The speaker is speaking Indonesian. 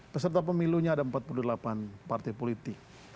peserta pemilunya ada empat puluh delapan partai politik